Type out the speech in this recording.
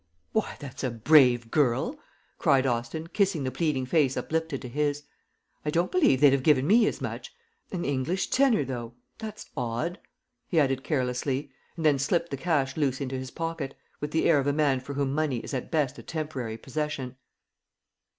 "Why, that's a brave girl!" cried Austin, kissing the pleading face uplifted to his. "I don't believe they'd have given me as much. An English tenner, though; that's odd!" he added carelessly, and then slipped the cash loose into his pocket, with the air of a man for whom money is at best a temporary possession.